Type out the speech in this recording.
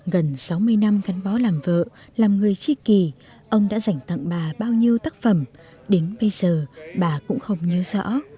gần sáu mươi năm gắn bó làm vợ làm người tri kỳ ông đã dành tặng bà bao nhiêu tác phẩm đến bây giờ bà cũng không nhớ rõ